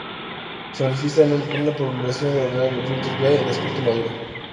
Se manifiesta con una proliferación clonal de linfocitos B, de aspecto maduro.